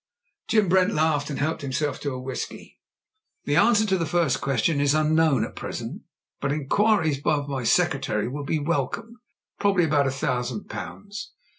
Jim Brent laughed and helped himself to whisky. "The answer to the first question is unknown at pres^ ent, but inquiries of my secretary will be welcomed — probably about a thousand pounds.